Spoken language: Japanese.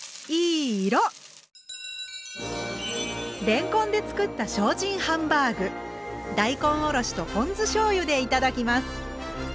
れんこんで作った精進ハンバーグ大根おろしとポン酢しょうゆで頂きます。